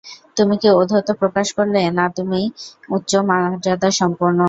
তুমি কি ঔদ্ধত্য প্রকাশ করলে, না তুমি উচ্চ মর্যাদাসম্পন্ন?